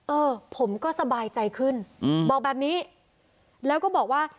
เออผมก็สบายใจขึ้นอืมบอกแบบนี้แล้วก็บอกว่า